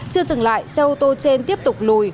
chưa dừng lại xe ô tô trên tiếp tục lùi